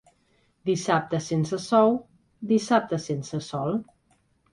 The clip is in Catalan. Dissabte sense sou, dissabte sense sol.